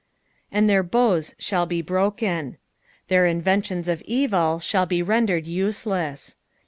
"And their bowi thall he broken." Their inventions of evil shall bo rendered useless.